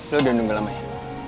lu udah nunggu lama ya